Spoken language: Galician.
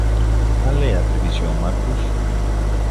Cal é a previsión, Marcos?